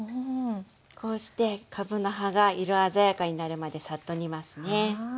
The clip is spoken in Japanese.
こうしてかぶの葉が色鮮やかになるまでサッと煮ますね。